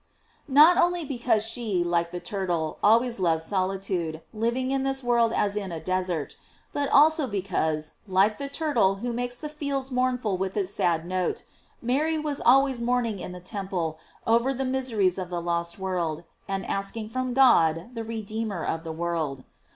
"* Not only because she, like the turtle, always loved solitude, living in this world as in a desert, but also because, like the turtle who makes the fields mournful with its sad notex Mary was always mourning in the temple over the miseries of the lost world, and asking from God, the Redeemer of the world.